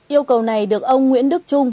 yêu cầu này được ông nguyễn đức trung